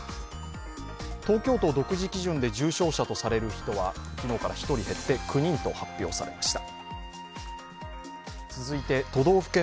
東京都独自基準で重症者とされる人は昨日から１人減って９人と発表されました。